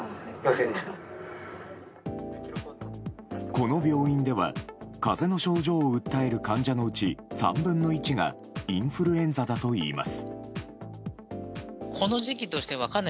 この病院では風邪の症状を訴える患者のうち３分の１がインフルエンザだといいます。